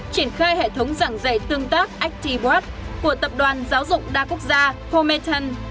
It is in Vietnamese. triển khai hệ thống giảng dạy tương tác actibot của tập đoàn giáo dục đa quốc gia cometan